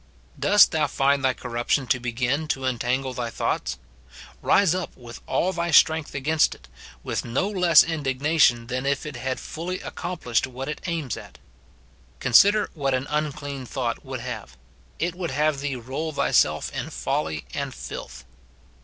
Dost thou find thy corrup tion to begin to entangle thy thoughts ? rise up with all thy strength against it, with no less indignation than if it had fully accomplished what it aims at. Consider what an unclean thought would have; it would have thee roll thyself in folly and filth.